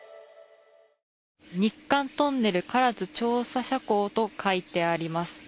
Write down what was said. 日韓トンネル唐津調査斜坑と書いてあります。